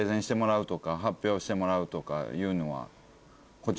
してもらうとかいうのは。